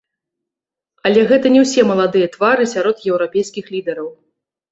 Але гэта не ўсе маладыя твары сярод еўрапейскіх лідараў.